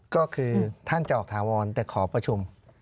ก็คือท่านจะออกถาวรแต่ขอประชุม